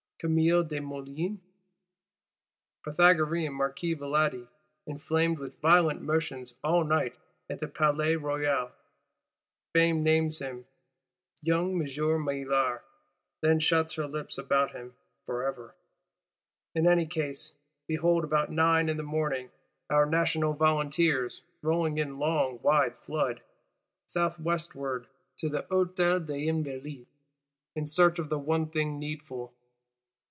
Camille Desmoulins? Pythagorean Marquis Valadi, inflamed with "violent motions all night at the Palais Royal?" Fame names him, "Young M. Meillar"; Then shuts her lips about him for ever. In any case, behold about nine in the morning, our National Volunteers rolling in long wide flood, south westward to the Hôtel des Invalides; in search of the one thing needful.